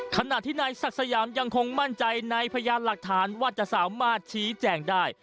ขณะที่นายศักดิ์สยามยังคงมั่นใจในพยานหลักฐานว่าจะสามารถชี้แจงได้